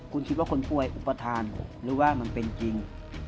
คุณคิดว่าคนป่วยอุปทานหรือว่ามันเป็นจริง